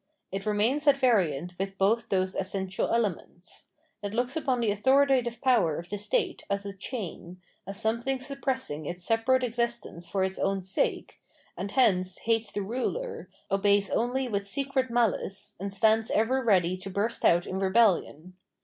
It remains at variance with both those essential elements. It looks upon the authoritative power of the state as a chain, as something suppressing its separate existence for its own sake, and hence hates the ruler, obeys only with secret malice, and stands ever ready to burst out in rebellion.